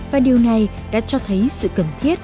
và điều này đã cho thấy sự cần thiết